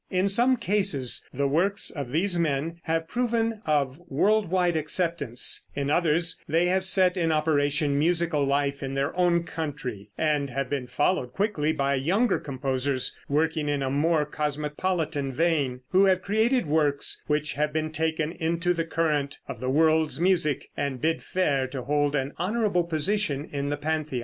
In some cases the works of these men have proven of world wide acceptance; in others they have set in operation musical life in their own country, and have been followed quickly by younger composers working in a more cosmopolitan vein, who have created works which have been taken into the current of the world's music and bid fair to hold an honorable position in the pantheon.